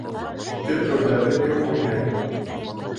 Төп ролдәрҙе кем уйнай?